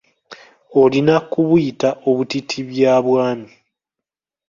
Olina kubuyita obutiitiibyamwami.